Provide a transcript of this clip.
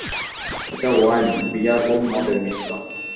এটা wine, beer ও মদের মিশ্রণ।